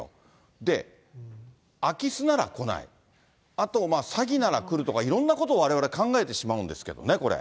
で、空き巣なら来ない、あと、詐欺なら来るとか、いろんなことをわれわれ考えてしまうんですけどね、これ。